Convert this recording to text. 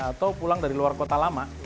atau pulang dari luar kota lama